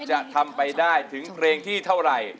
จะทำไปได้ถึงเพลงที่เท่าไหร่